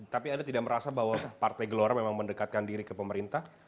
tapi anda tidak merasa bahwa partai gelora memang mendekatkan diri ke pemerintah